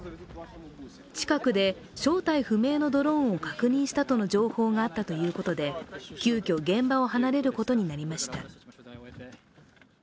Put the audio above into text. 近くで正体不明のドローンを確認したとの情報があったということで急きょ、現場を離れることになりました。